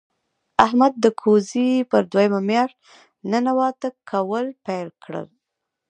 احمد د کوزې پر دویمه مياشت ننواته کول پیل کړل.